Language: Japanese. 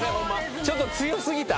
ちょっと強過ぎた。